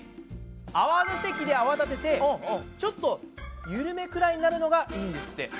泡立て器で泡立ててちょっとゆるめくらいになるのがいいんですって。